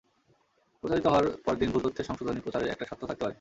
প্রচারিত হওয়ার পরদিন ভুল তথ্যের সংশোধনী প্রচারের একটা শর্ত থাকতে পারে।